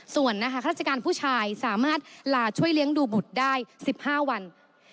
ส่วนนะคะราชการผู้ชายสามารถลาช่วยเลี้ยงดูบุตรได้๑๕วัน